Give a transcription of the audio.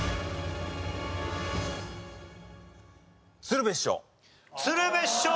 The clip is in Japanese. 鶴瓶師匠